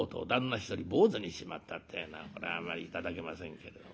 一人坊主にしちまったってえのはこれはあまり頂けませんけれども。